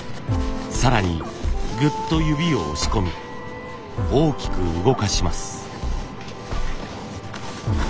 更にぐっと指を押し込み大きく動かします。